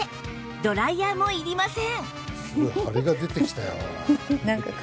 ドライヤーもいりません